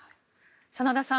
真田さん